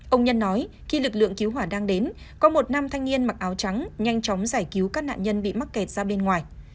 ông nhân nói khi lực lượng cứu hỏa đang đến có một nam thanh niên mặc áo trắng nhanh chóng giải cứu các nạn nhân bị mắc kẹt ra bên ngoài